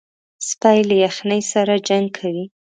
سپي له یخنۍ سره جنګ کوي.